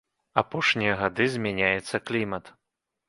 Апошнія гады змяняецца клімат.